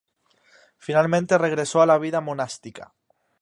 Finalmente regresó a la vida monástica.